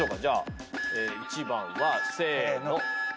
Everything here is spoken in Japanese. １番はせーの。